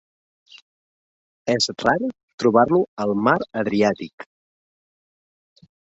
És rar trobar-lo al mar Adriàtic.